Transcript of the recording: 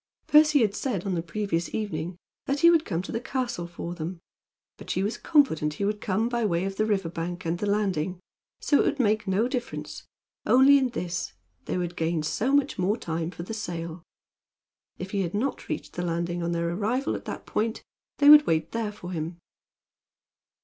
Percy had said on the previous evening that he would come to the castle for them; but she was confident he would come by way of the river bank and the landing, so it could make no difference, only in this, they would gain so much more time for the sail. If he had not reached the landing on their arrival at that point they would wait there for him.